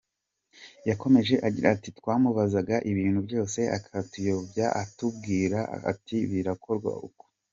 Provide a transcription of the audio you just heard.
Yakomeje agira ati "Twamubazaga ibintu byose akatuyobora atubwira ati ‘bikorwa uku’.